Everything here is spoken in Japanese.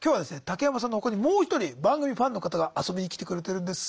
竹山さんの他にもう一人番組ファンの方が遊びに来てくれてるんです。